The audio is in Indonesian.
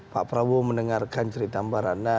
pak prabowo mendengarkan cerita mbak ratna